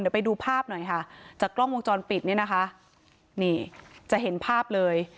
เดี๋ยวไปดูภาพหน่อยค่ะจากกล้องวงจรปิดเนี่ยนะคะนี่จะเห็นภาพเลย